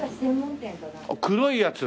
黒いやつ。